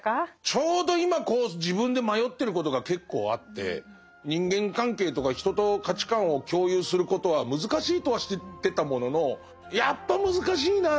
ちょうど今こう自分で迷ってることが結構あって人間関係とか人と価値観を共有することは難しいとは知ってたもののやっぱ難しいな。